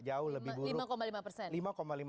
jauh lebih buruk